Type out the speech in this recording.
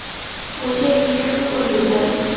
ওজে, কী শুরু করলি, ভাই?